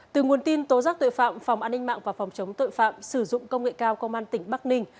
từ nguồn tin tố giác tội phạm phòng an ninh mạng và phòng chống tội phạm sử dụng công nghệ cao công an tỉnh bắc ninh